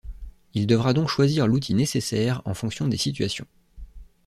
Il devra donc choisir l'outil nécessaire en fonction des situations.